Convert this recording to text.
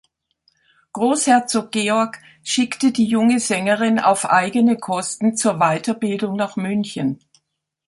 Großherzog Georg schickte die junge Sängerin auf eigene Kosten zur Weiterbildung nach München.